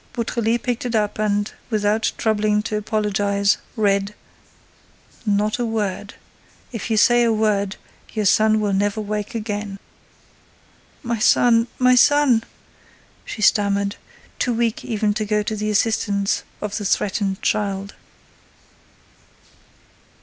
Beautrelet picked it up and, without troubling to apologize, read: Not a word! If you say a word, your son will never wake again. "My son—my son!" she stammered, too weak even to go to the assistance of the threatened child.